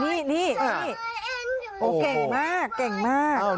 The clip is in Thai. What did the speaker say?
นี่นี่โอ้เคงมาก